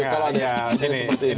kalau ada yang seperti ini